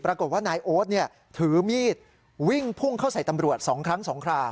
ปรากฏว่านายโอ๊ตถือมีดวิ่งพุ่งเข้าใส่ตำรวจ๒ครั้ง๒ครา